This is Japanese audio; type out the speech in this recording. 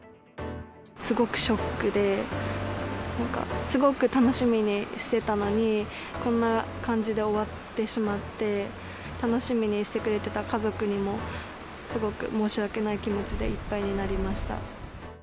すごくショックで、なんか、すごく楽しみにしてたのに、こんな感じで終わってしまって、楽しみにしてくれてた家族にも、すごく申し訳ない気持ちでいっぱいになりました。